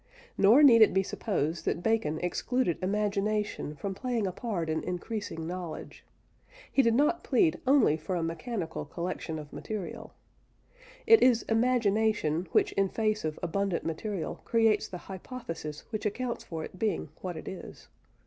Nor need it be supposed that Bacon excluded imagination from playing a part in increasing knowledge, he did not plead only for a mechanical collection of material. It is imagination which in face of abundant material creates the hypothesis which accounts for it being what it is.